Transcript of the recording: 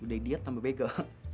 udah diet tambah pegel